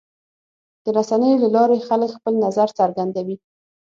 د رسنیو له لارې خلک خپل نظر څرګندوي.